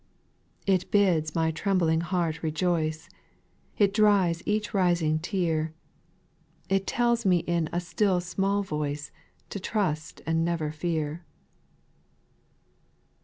6. It bids my trembling heart rejoice, It dries each rising tear, It tells me in " a still small voice " To trust and never fear.